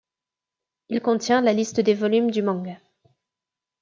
Il contient la liste des volumes du manga.